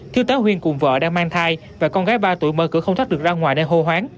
thiếu tá huyên cùng vợ đang mang thai và con gái ba tuổi mơ cửa không thoát được ra ngoài nên hô hoán